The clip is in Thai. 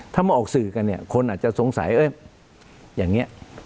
ถ้ามาออกสื่อกันเนี่ยคนอาจจะสงสัยอย่างนี้